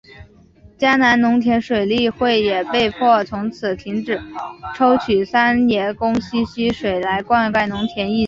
嘉南农田水利会也被迫从此停止抽取三爷宫溪溪水来灌溉农田迄今。